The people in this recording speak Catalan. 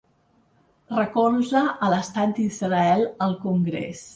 Recolza a l'estat d'Israel al Congrés.